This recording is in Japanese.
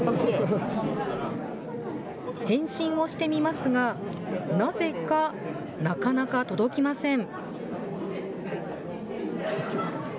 返信をしてみますが、なぜかなかなか届きません。